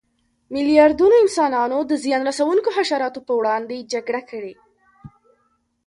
میلیاردونه انسانانو د زیان رسونکو حشراتو پر وړاندې جګړه کړې.